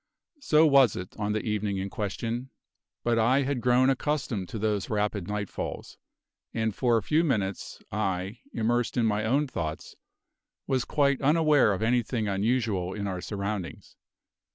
So was it on the evening in question; but I had grown accustomed to those rapid nightfalls, and for a few minutes I, immersed in my own thoughts, was quite unaware of anything unusual in our surroundings.